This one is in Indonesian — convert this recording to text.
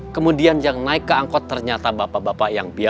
kemudian yang naik ke angkot ternyata bapak bapak yang biasa